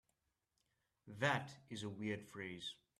That is a weird phrase.